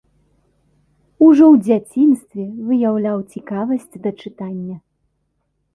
Ужо ў дзяцінстве выяўляў цікавасць да чытання.